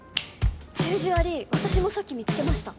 十字割り私もさっき見つけました